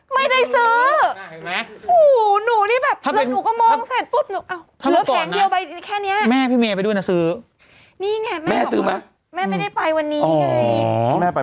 ไม่ได้ซื้อนี่แบบหนูก็มองเสร็จน่ะวันนี้เหลือแผงเดียวแค่นี้